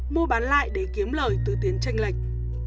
mua bán lại để kiếm lời từ tiếng tranh lệch